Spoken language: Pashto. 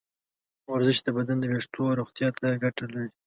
ورزش د بدن د ویښتو روغتیا ته ګټه لري.